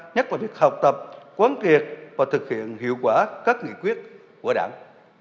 nhất là việc học tập quán triệt và thực hiện hiệu quả các nghị quyết của đảng